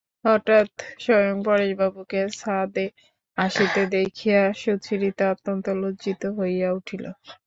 হঠাৎ স্বয়ং পরেশবাবুকে ছাতে আসিতে দেখিয়া সুচরিতা অত্যন্ত লজ্জিত হইয়া উঠিল।